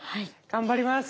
頑張ります。